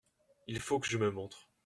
Il faut que je me montre.